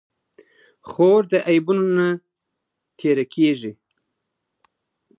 خور د عیبونو نه تېره کېږي.